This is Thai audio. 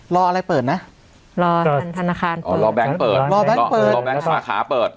รออะไรเปิดนะรอแบงก์เปิดรอแบงก์ภาคาเปิด